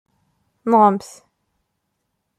Nɣemt!